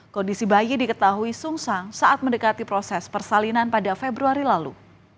kondisi bayi diketahui sungsang saat mendekati proses persalinan pada februari lalu